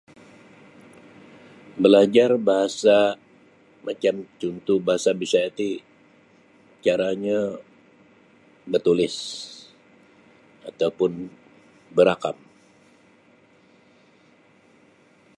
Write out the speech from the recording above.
Balajar bahasa macam cuntuh bahasa Bisaya ti caranyo batulis atau pun barakam.